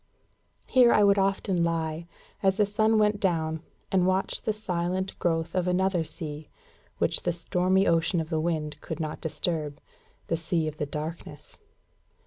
Here I would often lie, as the sun went down, and watch the silent growth of another sea, which the stormy ocean of the wind could not disturb the sea of the darkness.